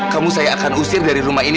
kamu saya akan usir dari rumah ini